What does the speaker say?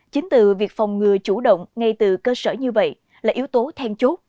chính từ việc phòng ngừa chủ động ngay từ cơ sở như vậy là yếu tố then chốt